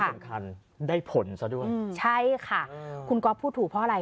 แล้วที่สำคัญได้ผลซะด้วยอืมใช่ค่ะคุณก็พูดถูกเพราะอะไร